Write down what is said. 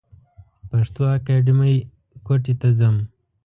پښتو اکېډمۍ کوټي ته ځم.